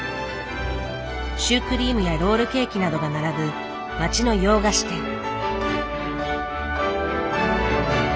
シュークリームやロールケーキなどが並ぶ街の洋菓子店。